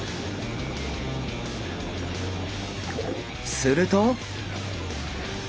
すると！